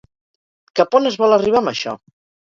Cap on es vol arribar amb això?